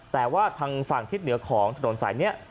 แต่ว่าทางฝั่งทิศเหนือของถนนสายนี้